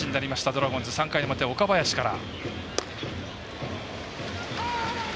ドラゴンズ、３回表岡林から。